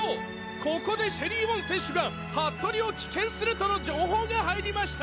ここでシェリイ・ウォン選手がＨＡＴＴＯＲＩを棄権するとの情報が入りました！